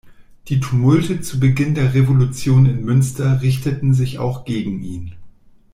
Die Tumulte zu Beginn der Revolution in Münster richteten sich auch gegen ihn.